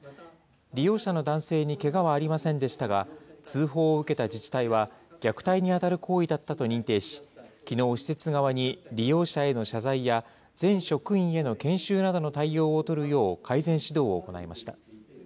利用者の男性にけがはありませんでしたが、通報を受けた自治体は、虐待に当たる行為だったと認定し、きのう、施設側に、利用者への謝罪や、全職員への研修などの対応を取るよう、改善指導を行いました。